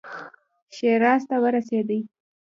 شیراز ته ورسېدی.